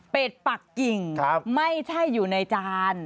เป็นปักกิ่งไม่ใช่อยู่ในจาน